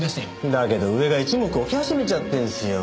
だけど上が一目置き始めちゃってんすよ。